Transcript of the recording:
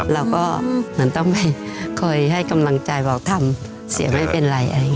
เราก็เหมือนต้องไปคอยให้กำลังใจบอกทำเสียไม่เป็นไร